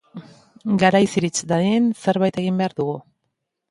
Garaiz irits dadin zerbait egin behar dugu.